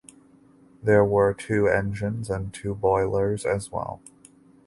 There were two engines and two boilers as well.